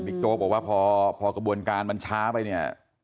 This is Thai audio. โจ๊กบอกว่าพอกระบวนการมันช้าไปเนี่ย